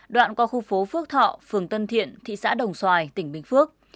đoạn qua khu phố phước thọ phường tân thiện thị xã đồng xoài tỉnh bình phước